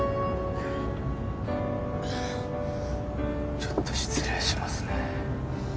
ちょっと失礼しますね